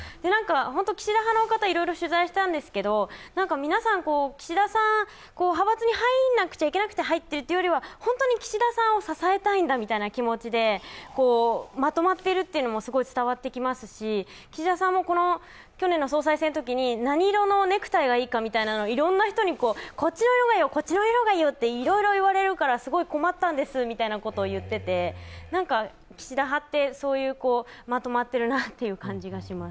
岸田派の方をいろいろ取材したんですけど皆さん、岸田さん、派閥に入らなくちゃいけなくて入っているというよりは本当に岸田さんを支えたいんだみたいな気持ちでまとまっているのも伝わってきますし岸田さんも去年の総裁選のときに何色のネクタイがいいかみたいなのをいろんな人に、こっちの色がいいよこっちの色がいいよといろいろ言われるからすごい困ったんですみたいなことを言っていて岸田派ってまとまってるなという感じがします。